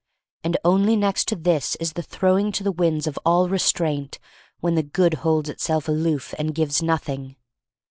And only next to this is the throwing to the winds of all restraint when the good holds itself aloof and gives nothing.